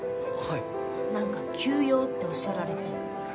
なんか、急用っておっしゃられて。